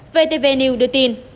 vtv news đưa tin